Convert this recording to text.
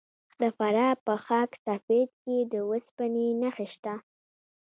د فراه په خاک سفید کې د وسپنې نښې شته.